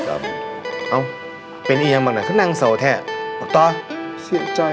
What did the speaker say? จุดแทนที่ก่อนจะไปให้หวยหน่อยก็ไม่ได้